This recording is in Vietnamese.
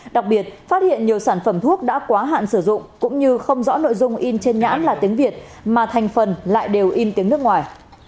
đặc biệt phát hiện nhiều sản phẩm thuốc đã quá hạn sử dụng cũng như không rõ nội dung in trên nhãn là tiếng việt mà thành phần lại đều in tiếng nước ngoài